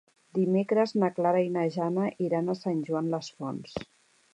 Dimecres na Clara i na Jana iran a Sant Joan les Fonts.